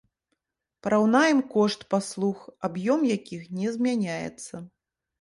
Параўнаем кошт паслуг, аб'ём якіх не змяняецца.